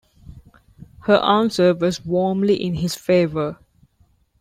Her answer was warmly in his favour.